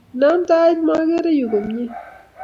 Inam tait makere yu komnye